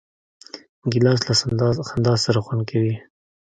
ګیلاس له خندا سره خوند کوي.